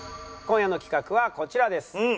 今夜の企画はこちらです。